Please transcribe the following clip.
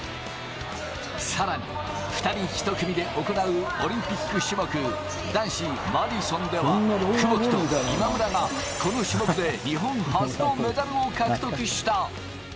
さらに２人１組で行うオリンピック種目、男子マディソンでは、窪木と今村が、この種目で日本初のメダルを獲得した。